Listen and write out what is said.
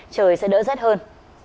trời sẽ đỡ rét hơn